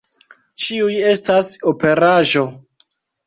Ĉiuj estas operaĵo.